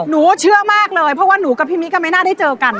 เชื่อมากเลยเพราะว่าหนูกับพี่มิ๊กก็ไม่น่าได้เจอกัน